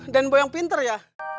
boy yang pinter ya